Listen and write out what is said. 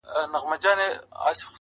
پوهنتون د میني ولوله که غواړې,